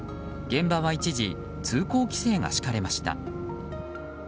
現場は一時交通規制が敷かれました。